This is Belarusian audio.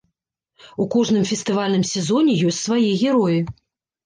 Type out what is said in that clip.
У кожным фестывальным сезоне ёсць свае героі.